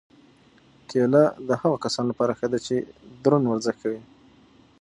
کیله د هغو کسانو لپاره ښه ده چې دروند ورزش کوي.